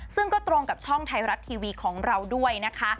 ซึ่งก็ตรงกับช่องไทยรัฐทีวีของเราด้วยนะคะ